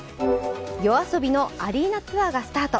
ＹＯＡＳＯＢＩのアリーナツアーがスタート。